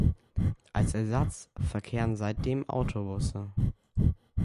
Als Ersatz verkehren seitdem Autobusse.